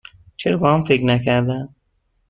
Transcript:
چرا به آن فکر نکردم؟